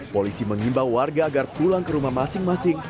polisi mengimbau warga agar pulang ke rumah masing masing